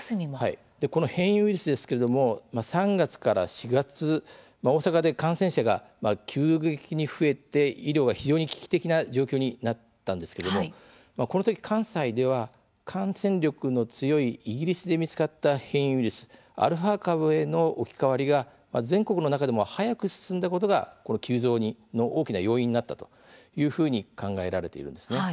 変異ウイルスですが３月から４月大阪で感染者が急激に増えて医療が非常に危機的な状況になったんですがこのとき関西では感染力の強いイギリスで見つかった変異ウイルスアルファ株への置き換わりが全国の中でも早く進んだことがこの急増の大きな要因になったと考えられているんです。